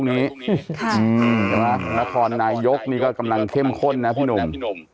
นามนายกนี่ก็กำลังเข้มข้นนะพี่หนุ่ม